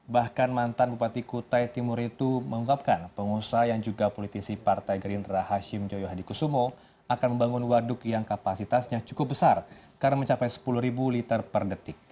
bahkan mantan bupati kutai timur itu mengungkapkan pengusaha yang juga politisi partai gerindra hashim joyo hadikusumo akan membangun waduk yang kapasitasnya cukup besar karena mencapai sepuluh liter per detik